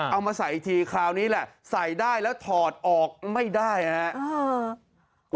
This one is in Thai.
เอามาใส่อีกทีคราวนี้แหละใส่ได้แล้วถอดออกไม่ได้ครับ